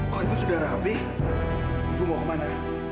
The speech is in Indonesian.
kok ibu sudah rapih ibu mau kemana